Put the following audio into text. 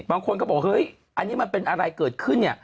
บางคนก็บอกเฮ้ยอันนี้มันเป็นอะไรเกิดขึ้นเนี่ย